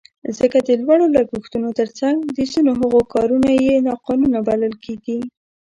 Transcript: ځکه د لوړو لګښتونو تر څنګ د ځینو هغو کارونه یې ناقانونه بلل کېږي.